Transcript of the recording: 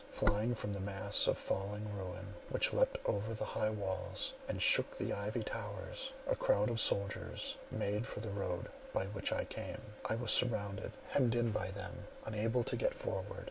Flying from the mass of falling ruin which leapt over the high walls, and shook the ivy towers, a crowd of soldiers made for the road by which I came; I was surrounded, hemmed in by them, unable to get forward.